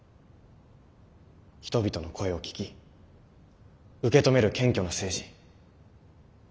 人々の声を聞き受け止める謙虚な政治。